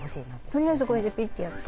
とりあえずこれでピッとやって。